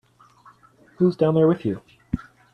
Who's down there with you?